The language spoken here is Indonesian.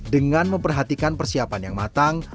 dengan memperhatikan persiapan yang matang